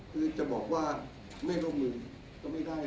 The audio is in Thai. คือจะบอกว่าไม่ร่วมมือก็ไม่ได้